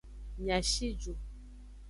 Mia shi ju.